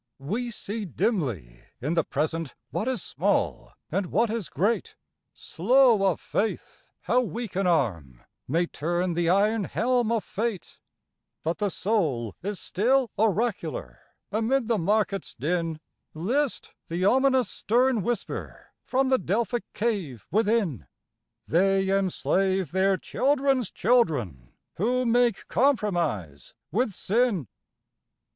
We see dimly in the Present what is small and what is great, Slow of faith how weak an arm may turn the iron helm of fate, But the soul is still oracular; amid the market's din, List the ominous stern whisper from the Delphic cave within,— 'They enslave their children's children who make compromise with sin.